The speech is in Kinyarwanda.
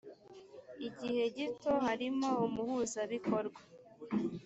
igihe gito harimo umuhuzabikorwa